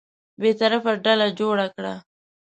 بېطرفه ډله جوړه کړه.